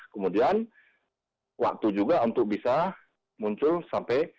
kemudian waktu juga untuk bisa muncul sampai